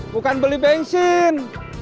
bukan beli bensin